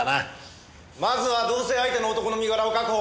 まずは同棲相手の男の身柄を確保！